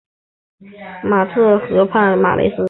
马特河畔马雷斯。